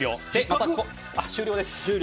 終了です。